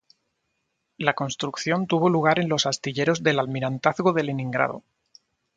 La construcción tuvo lugar en los astilleros del Almirantazgo de Leningrado.